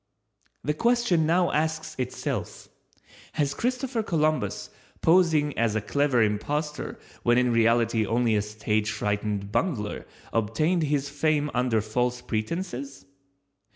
The question now asks itself: Has Christopher Columbus, posing as a clever impostor when in reality only a stage frightened bungler, obtained his fame under false pretenses?